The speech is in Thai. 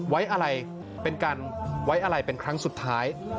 ไว้อะไรเป็นการไว้อะไรเป็นครั้งสุดท้าย